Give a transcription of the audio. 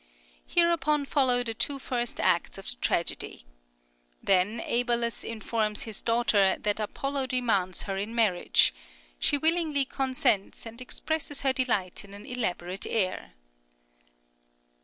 Hereupon follow the two first acts of the tragedy. Then Æbalus informs his daughter that Apollo demands her in marriage; she willingly consents, and expresses her delight in an elaborate air.